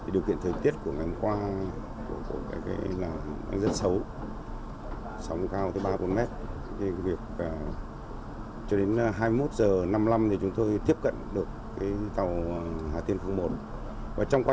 điều kiện thời tiết của ngày qua